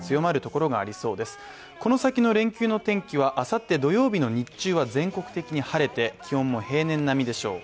この先の連休の天気は明後日土曜日の日中は全国的に晴れて、気温も平年並みでしょう。